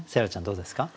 どうですか？